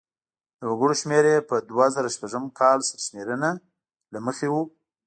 د وګړو شمېر یې په دوه زره شپږم کال سرشمېرنې له مخې و.